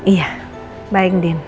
iya baik nen